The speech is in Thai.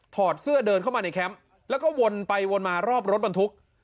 อดเสื้อเดินเข้ามาในแคมป์แล้วก็วนไปวนมารอบรถบรรทุก